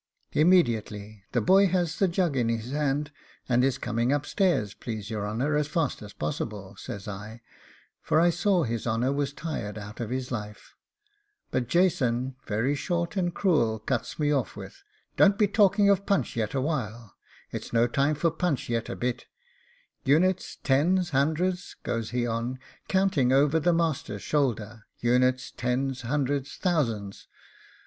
'Immediately; the boy has the jug in his hand; it's coming upstairs, please your honour, as fast as possible,' says I, for I saw his honour was tired out of his life; but Jason, very short and cruel, cuts me off with 'Don't be talking of punch yet awhile; it's no time for punch yet a bit units, tens, hundreds,' goes he on, counting over the master's shoulder, units, tens, hundreds, thousands.